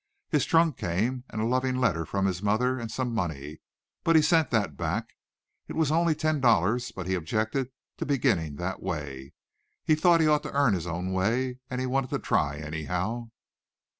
His trunk came, and a loving letter from his mother, and some money, but he sent that back. It was only ten dollars, but he objected to beginning that way. He thought he ought to earn his own way, and he wanted to try, anyhow.